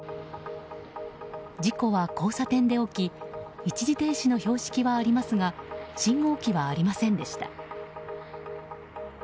事故は交差点で起き一時停止の標識はありますが信号機はありませんでした。